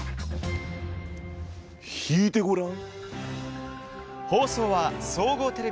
引いてごらん！